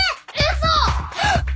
嘘！